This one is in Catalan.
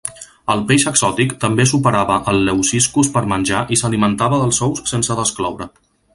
El peix exòtic també superava el leuciscus per menjar i s'alimentava dels ous sense descloure.